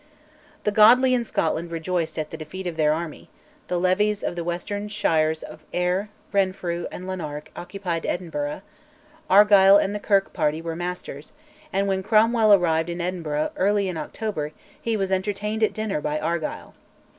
The godly in Scotland rejoiced at the defeat of their army: the levies of the western shires of Ayr, Renfrew, and Lanark occupied Edinburgh: Argyll and the Kirk party were masters, and when Cromwell arrived in Edinburgh early in October he was entertained at dinner by Argyll.